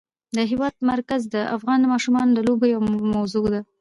د هېواد مرکز د افغان ماشومانو د لوبو یوه موضوع ده.